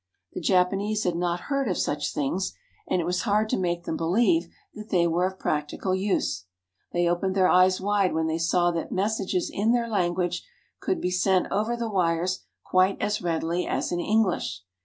The Japanese had not heard of such things, and it was hard to make them believe that they were of practical use. They opened their eyes wide when they saw that mes sages in their language could be sent over the wires quite as readily as in English.